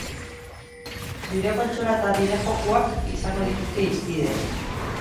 Bideokontsola eta bideojokoak izango dituzte hizpide.